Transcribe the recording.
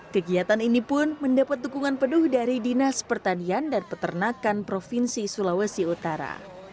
kegiatan ini pun mendapat dukungan penuh dari dinas pertanian dan peternakan provinsi sulawesi utara